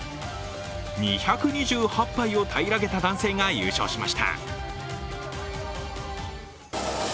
２２８杯をたいらげた男性が優勝しました。